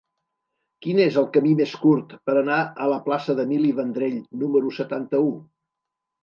Quin és el camí més curt per anar a la plaça d'Emili Vendrell número setanta-u?